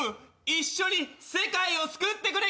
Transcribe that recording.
一緒に世界を救ってくれ！